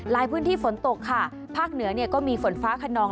รายพื้นที่ฝนตกค่ะภาคเหนือก็มีฝนฟ้าคนอง